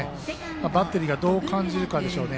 バッテリーがどう感じるかでしょうね。